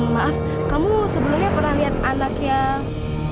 maaf kamu sebelumnya pernah lihat anak yang